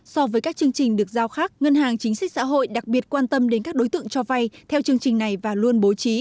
so với các chương trình được giao khác ngân hàng chính sách xã hội đặc biệt quan tâm đến các đối tượng cho vay theo chương trình này và luôn bố trí